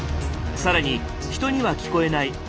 更に人には聞こえない